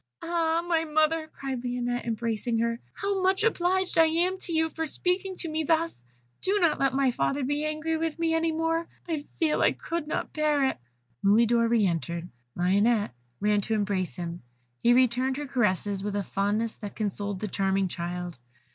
"Ah! my mother," cried Lionette, embracing her, "how much obliged I am to you for speaking to me thus; do not let my father be angry with me any more I feel I could not bear it." Mulidor re entered; Lionette ran to embrace him; he returned her caresses with a fondness that consoled the charming child.